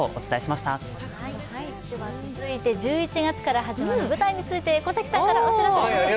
続いて１１月から始まる舞台について小関さんからお知らせです。